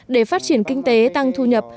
để phát triển kinh tế tăng thu nhập